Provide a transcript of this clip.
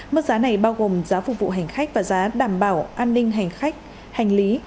mức giá này bao gồm giá phục vụ hành khách và giá đảm bảo an ninh hành khách hành lý